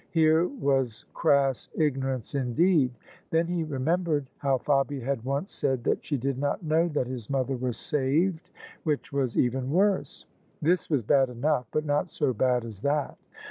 Here was crass ignorance indeed! Then he re membered how Fabia had once said that she did not know that his mother was saved, which was even worse. This was bad enough, but not so bad as that.